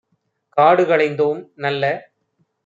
காடு களைந்தோம் - நல்ல